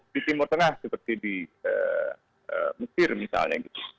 di timur tengah seperti di mesir misalnya gitu